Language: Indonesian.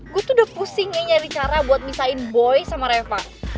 gue tuh udah pusing nih nyari cara buat misahin boy sama reva